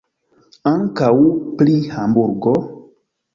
Ankaŭ pri Hamburgo?